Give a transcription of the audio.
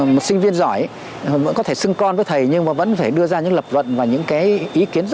một sinh viên giỏi có thể xưng con với thầy nhưng mà vẫn phải đưa ra những lập vận và những cái ý kiến rất sâu